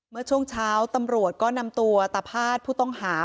เมื่อช่วงเช้าตำรวจก็นำตัวตะพาดผู้ต้องหา